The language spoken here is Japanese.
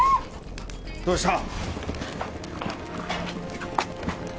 どうした！？